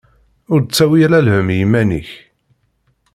Ur d-ttawi ara lhemm i iman-ik.